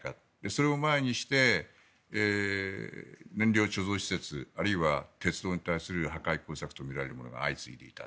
それを前にして燃料貯蔵施設あるいは鉄道に対する破壊工作とみられるものが相次いでいた。